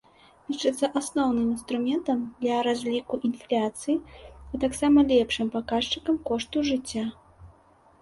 Лічыцца асноўным інструментам для разліку інфляцыі, а таксама лепшым паказчыкам кошту жыцця.